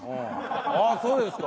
ああそうですか。